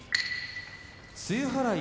露払い